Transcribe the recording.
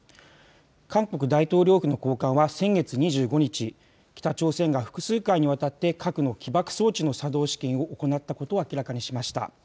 韓国大統領府の高官は先月２５日、北朝鮮が複数回にわたって核の起爆装置の作動試験を行ったことを明らかにしました。